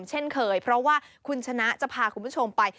เช่นเคยเพราะว่าคุณชนะจะพาคุณผู้ชมไป